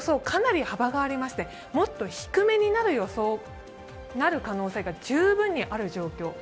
かなり幅がありましてもっと低めになる可能性が十分にある状況。